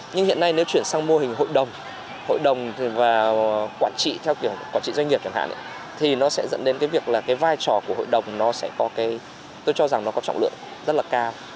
nhưng hiện nay nếu chuyển sang mô hình hội đồng hội đồng và quản trị theo kiểu quản trị doanh nghiệp chẳng hạn thì nó sẽ dẫn đến cái việc là cái vai trò của hội đồng nó sẽ có cái tôi cho rằng nó có trọng lượng rất là cao